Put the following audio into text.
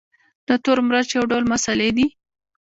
تور مرچ یو ډول مسالې دي